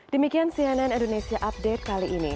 demikian cnn indonesia update kali ini